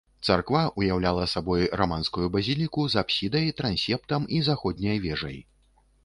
Царква ўяўляла сабой раманскую базіліку з апсідай, трансептам і заходняй вежай.